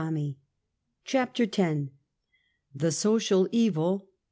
71 CHAPTER X. The Social Evil.